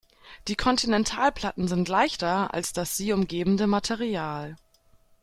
Die Kontinentalplatten sind leichter als das sie umgebende Material.